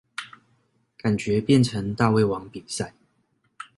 感覺變成大胃王比賽